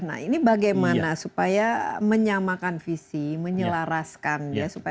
nah ini bagaimana supaya menyamakan visi menyelaraskan